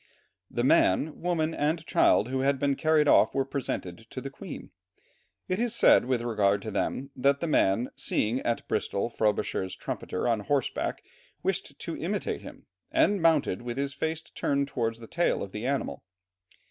The man, woman, and child who had been carried off were presented to the Queen. It is said with regard to them, that the man, seeing at Bristol Frobisher's trumpeter on horseback wished to imitate him, and mounted with his face turned towards the tail of the animal.